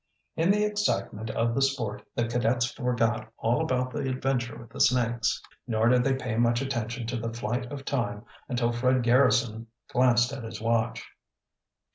In the excitement of the sport the cadets forgot all about the adventure with the snakes, nor did they pay much attention to the flight of time until Fred Garrison glanced at his watch.